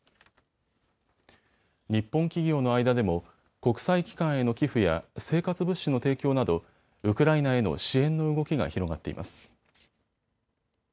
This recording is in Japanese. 日本企業の間でも国際機関への寄付や生活物資の提供などウクライナへの支援の動きが広がっています。